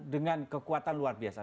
dengan kekuatan luar biasa